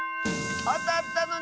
あたったのに！